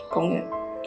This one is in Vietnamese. có nghĩa là